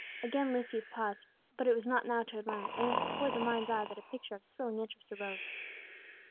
Again Lucius paused, but it was not now to admire, and it was before the mind's eye that a picture of thrilling interest arose.